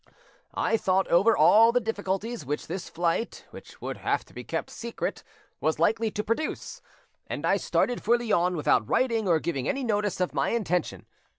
I thought over all the difficulties which this flight, which would have to be kept secret, was likely to produce, and I started for Lyons without writing or giving any notice of my intention.